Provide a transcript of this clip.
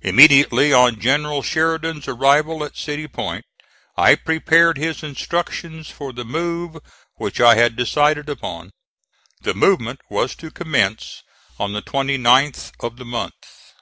Immediately on General Sheridan's arrival at City Point I prepared his instructions for the move which I had decided upon. The movement was to commence on the 29th of the month.